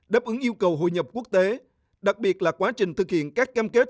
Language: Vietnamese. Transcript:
đáp ứng yêu cầu hội nhập quốc tế đặc biệt là quá trình thực hiện các cam kết